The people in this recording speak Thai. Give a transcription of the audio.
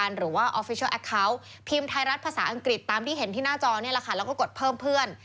เราก็กดเพิ่มเพื่อน